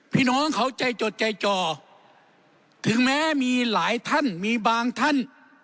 พี่น้องเขาใจจดใจจ่อถึงแม้มีหลายท่านมีบางท่าน